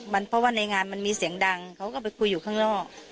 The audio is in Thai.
เพราะว่าในงานมันมีเสียงดังเขาก็ไปคุยอยู่ข้างนอก